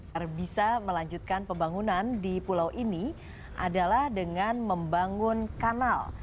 yang bisa melanjutkan pembangunan di pulau ini adalah dengan membangun kanal